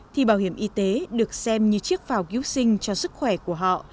thì bảo hiểm y tế được xem như chiếc phao cứu sinh cho sức khỏe của họ